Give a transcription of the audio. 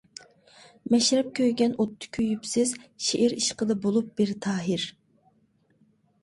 مەشرەپ كۆيگەن ئوتتا كۆيۈپسىز، شېئىر ئىشقىدا بولۇپ بىر تاھىر.